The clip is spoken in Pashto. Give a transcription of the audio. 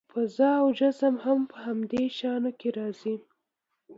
فضا او جسم هم په همدې شیانو کې راځي.